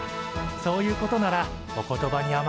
そういうことならお言葉にあまえて。